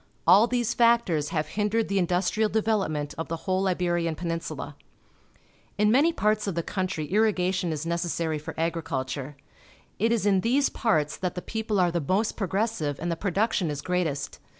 All these factors have hindered the industrial development of the whole Iberian Peninsula. In many parts of the country irrigation is necessary for agri culture. It is in these parts that the people are the most progres sive and tlie production is great est.